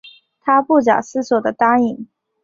她不假思索的答应